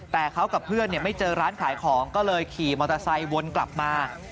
แต่เขากับเพื่อนไม่เจอร้านขายของก็เลยขี่มอเตอร์ไซค์วนกลับมา